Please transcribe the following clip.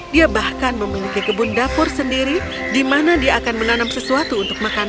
dia bahkan memiliki kebun dapur sendiri di mana dia akan menanam sesuatu untuk makan